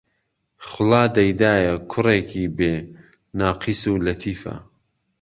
خوڵا دەیدایە کوڕێکی بێ ناقیس ولەتیفە